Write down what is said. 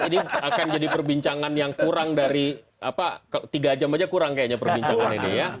ini akan jadi perbincangan yang kurang dari tiga jam aja kurang kayaknya perbincangan ini ya